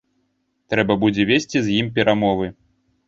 Трэба будзе весці з ім перамовы.